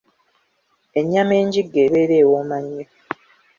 Ennyama engigge ebeera wooma nnyo.